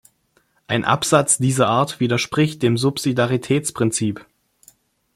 Ein Absatz dieser Art widerspricht dem Subsidiaritätsprinzip.